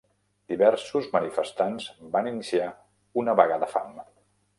Diversos manifestants van iniciar una vaga de fam.